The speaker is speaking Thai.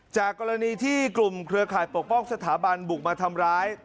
จากกรณีที่กลุ่มเครือข่ายปกป้องสถาบันบุกมาทำร้าย